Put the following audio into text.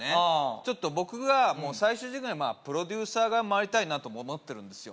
ちょっと僕が最終的にはプロデューサー側に回りたいなとも思ってるんですよ